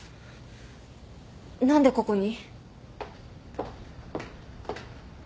何でここに？